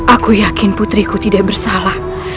aku yakin putriku tidak bersalah